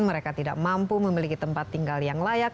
mereka tidak mampu memiliki tempat tinggal yang layak